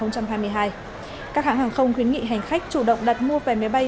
các hãng hàng không khuyến nghị hành khách chủ động đặt mua về máy bay